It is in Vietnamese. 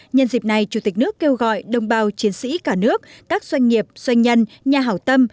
nhân dịp này chủ tịch nước kêu gọi đồng bào chiến sĩ cả nước các doanh nghiệp doanh nhân nhà hảo tâm